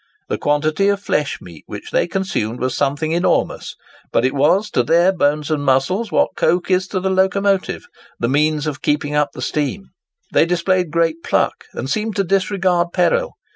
The quantity of flesh meat which they consumed was something enormous; but it was to their bones and muscles what coke is to the locomotive—the means of keeping up the steam. They displayed great pluck, and seemed to disregard peril.